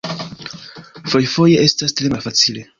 Fojfoje estas tre malfacile.